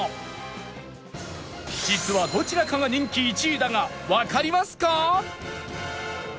実はどちらかが人気１位だがわかりますか？